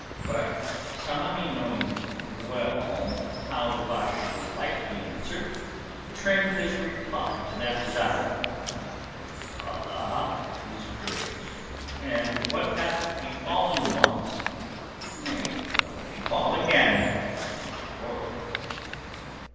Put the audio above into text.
But Tsamanni knowing full well how the Basha would like to be answered, trimmed his reply to that desire. "Allah is great, and what hath befallen once may well befall again, my lord."